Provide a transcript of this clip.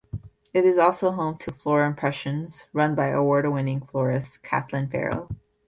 It is also home to "Floral Impressions", run by award winning florist Kathleen Farrell.